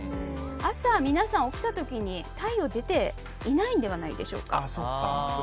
朝、皆さん、起きた時に太陽が出ていないのではないでしょうか。